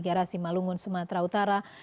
garasi malungun sumatera utara